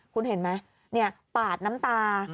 คุณเห็นไหมเนี่ยปาดน้ำตา